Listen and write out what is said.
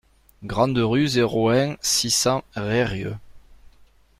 Grande Rue, zéro un, six cents Reyrieux